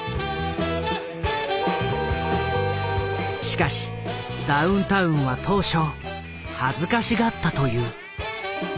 しかしダウンタウンは当初恥ずかしがったという。